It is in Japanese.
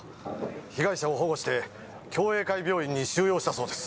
被害者を保護して共栄会病院に収容したそうです。